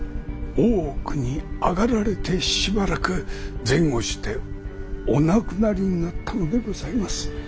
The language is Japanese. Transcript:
大奥に上がられてしばらく前後してお亡くなりになったのでございます。